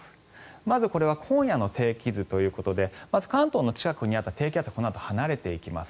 まず、これは今夜の天気図ということでまず関東の近くにあった低気圧がこのあと離れていきます。